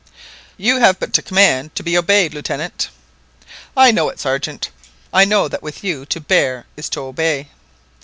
"You have but to command to be obeyed, Lieutenant." "I know it, Sergeant; I know that with you to bear is to obey.